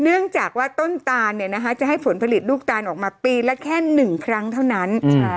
เนื่องจากว่าต้นตาลจะให้ผลผลิตลูกตาลออกมาปีละแค่๑ครั้งเท่านั้น